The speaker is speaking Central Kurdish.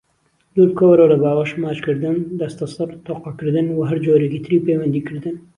دوربکەوەرەوە لە باوەش، ماچکردن، دەستەسڕ، تۆقەکردن، وە هەرجۆریکی تری پەیوەندیکردن.